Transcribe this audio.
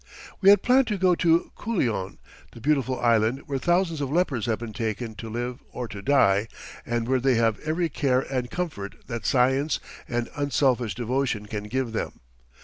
We had planned to go to Culion, the beautiful island where thousands of lepers have been taken to live or to die, and where they have every care and comfort that science and unselfish devotion can give them.